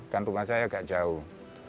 kan rumah saya agak jauh